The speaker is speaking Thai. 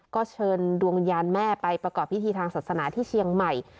ก็เชิญดวงวิญญาณแม่ไปประกอบพิธีทางศาสนาที่เชียงใหม่